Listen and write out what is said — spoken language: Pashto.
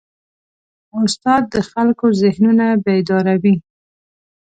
استاد د خلکو ذهنونه بیداروي.